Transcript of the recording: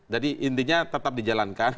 jadi intinya tetap dijalankan